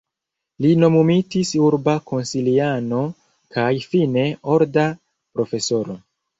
Li nomumitis urba konsiliano kaj fine orda profesoro.